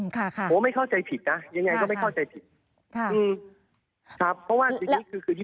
ทั้งราชินามการคุณโจ